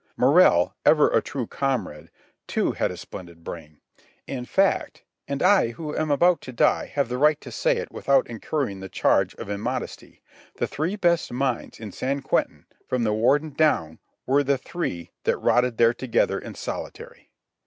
Morrell, ever a true comrade, too had a splendid brain. In fact, and I who am about to die have the right to say it without incurring the charge of immodesty, the three best minds in San Quentin from the Warden down were the three that rotted there together in solitary.